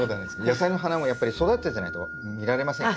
野菜の花もやっぱり育ててないと見られませんからね。